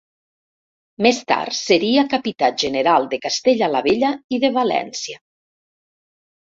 Més tard seria Capità General de Castella la Vella i de València.